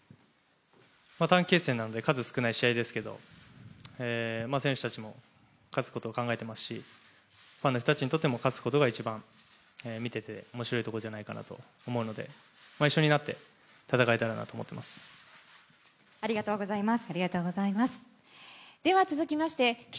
短期決戦なので、数少ない試合ですけど選手たちも勝つことを考えていますし、ファンの人たちにとっても勝つことが一番見てて面白いところじゃないかなと思うので一緒になって戦いたいなと思ってます。